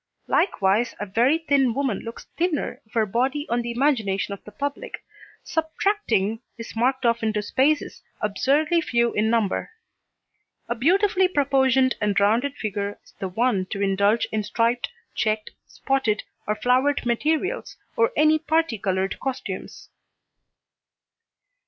Likewise a very thin woman looks thinner if her body on the imagination of the public subtracting is marked off into spaces absurdly few in number. A beautifully proportioned and rounded figure is the one to indulge in striped, checked, spotted or flowered materials or any parti coloured costumes.